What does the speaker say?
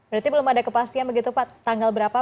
berarti belum ada kepastian begitu pak tanggal berapa